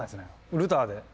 ルターで。